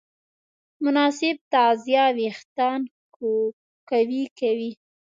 مناسب تغذیه وېښتيان قوي کوي.